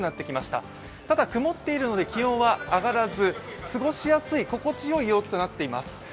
ただ、曇っているので気温は上がらず、過ごしやすい、心地よい陽気となっています。